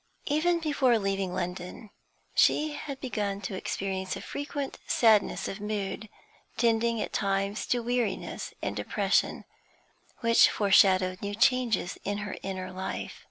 Even before leaving London, she had begun to experience a frequent sadness of mood, tending at times to weariness and depression, which foreshadowed new changes in her inner life.